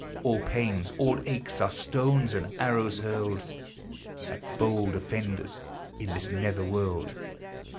All pains, all aches, are stones and arrows hurled At bold offenders in this nether world